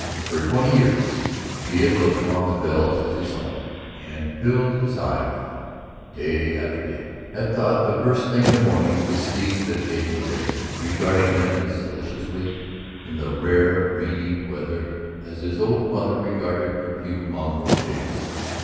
For twenty years he had looked upon the bells as his own, had filled his eye with them day after day, had thought the first thing in the morning to see that they were there, regarding them as solicitously in the rare rainy weather as his old mother regarded her few mongrel chicks.